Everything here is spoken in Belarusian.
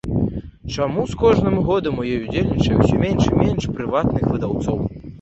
Чаму з кожным годам у ёй удзельнічае ўсё менш і менш прыватных выдаўцоў?